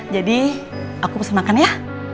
jadi aku pesan makan ya